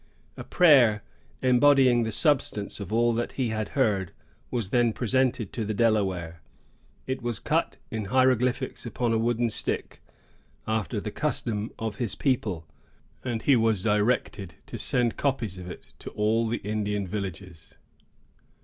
A prayer, embodying the substance of all that he had heard, was then presented to the Delaware. It was cut in hieroglyphics upon a wooden stick, after the custom of his people; and he was directed to send copies of it to all the Indian villages.